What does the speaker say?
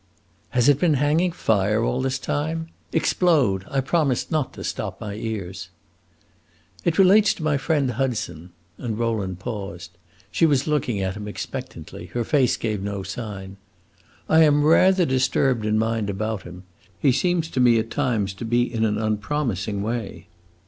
"Has it been hanging fire all this time? Explode! I promise not to stop my ears." "It relates to my friend Hudson." And Rowland paused. She was looking at him expectantly; her face gave no sign. "I am rather disturbed in mind about him. He seems to me at times to be in an unpromising way."